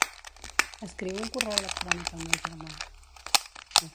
Escriu un correu electrònic al meu germà.